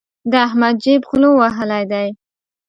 د احمد جېب غلو وهلی دی.